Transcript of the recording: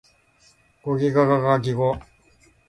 ゴギガガガギゴ